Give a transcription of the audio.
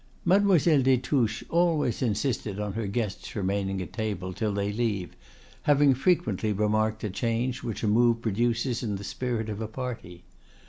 Mademoiselle des Touches always insists on her guests remaining at table till they leave, having frequently remarked the change which a move produces in the spirit of a party.